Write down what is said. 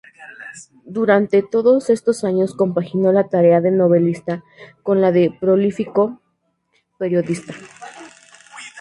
Durante todos estos años compaginó la tarea de novelista con la de prolífico periodista.